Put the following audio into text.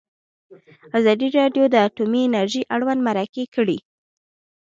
ازادي راډیو د اټومي انرژي اړوند مرکې کړي.